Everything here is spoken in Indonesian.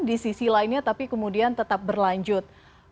di sisi lainnya tapi kemudian tetap berlanjut